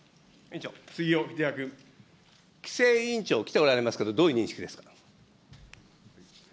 規制委員長、来ておられますけれども、どういう認識ですか。